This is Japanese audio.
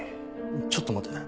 ちょっと待て。